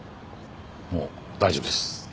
もう大丈夫です。